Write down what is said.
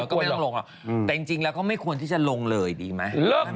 ก็ไม่ต้องลงหรอกแต่จริงแล้วก็ไม่ควรที่จะลงเลยดีไหม